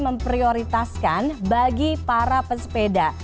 memprioritaskan bagi para pesepeda